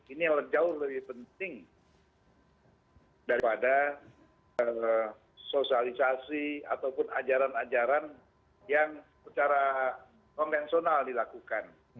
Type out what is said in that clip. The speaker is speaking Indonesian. ini jauh lebih penting daripada sosialisasi ataupun ajaran ajaran yang secara konvensional dilakukan